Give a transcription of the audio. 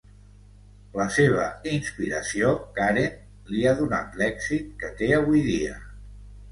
La seva inspiració, Karen, li ha donat l'èxit que té avui dia.